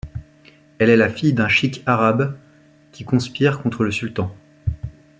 Elle est la fille d'un cheik arabe qui conspire contre le sultan.